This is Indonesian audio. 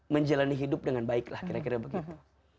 menjalani hidup dengan baik lah kira kira begitu